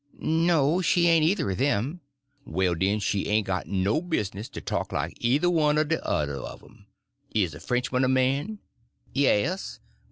"No, she ain't either of them." "Well, den, she ain't got no business to talk like either one er the yuther of 'em. Is a Frenchman a man?" "Yes."